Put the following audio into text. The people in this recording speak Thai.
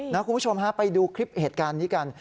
คุณผู้ชมฮะไปดูคลิปเหตุการณ์นี้กัน